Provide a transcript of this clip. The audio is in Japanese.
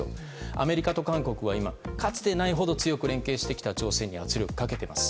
アメリカと韓国はかつてないほど連携して北朝鮮に圧力をかけています。